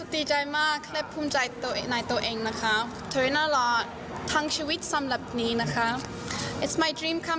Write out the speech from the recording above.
ตลอดเวลานะคะแฟนแฟนปีนี้มองฟ้ามาแหน่นะคะ